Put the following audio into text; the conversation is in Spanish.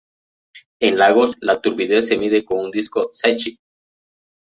En lagos la turbidez se mide con un disco Secchi.